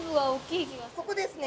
ここですね。